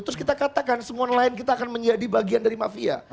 terus kita katakan semua nelayan kita akan menjadi bagian dari mafia